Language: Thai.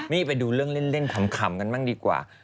นี่ไปดูเรื่องเล่นขำกันบ้างดีกว่า